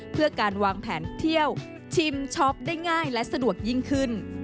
เพื่อการวางแผนเที่ยวชิมช็อปได้ง่ายและสะดวกยิ่งขึ้น